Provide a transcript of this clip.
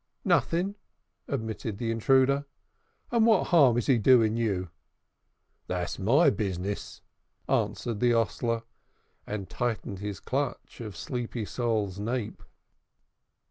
"Nothing," admitted the intruder. "And what harm is he doing you?" "That's my bizness," answered the hostler, and tightened his clutch of Sleepy Sol's nape.